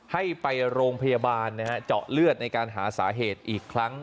ให้ไปโรงพยาบาลนะฮะเจาะเลือดในการหาสาเหตุอีกครั้ง